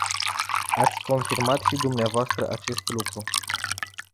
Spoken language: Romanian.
Ați confirmat și dvs. acest lucru.